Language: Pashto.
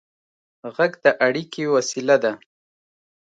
غږ د اړیکې وسیله ده.